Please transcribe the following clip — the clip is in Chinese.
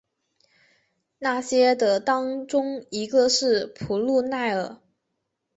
那些的当中一个是库路耐尔。